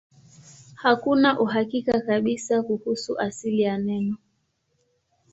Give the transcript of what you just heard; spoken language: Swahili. Hakuna uhakika kabisa kuhusu asili ya neno.